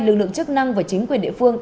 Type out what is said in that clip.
lực lượng chức năng và chính quyền địa phương